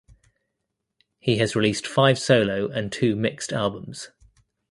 He has released five solo and two mixed albums.